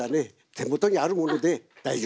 手元にあるもので大丈夫です。